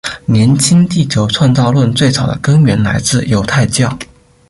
年轻地球创造论最早的根源来自犹太教。